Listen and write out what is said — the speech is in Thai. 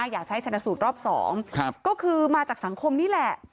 อยากให้ชนะสูตรรอบ๒ก็คือมาจากสังคมนี่แหละ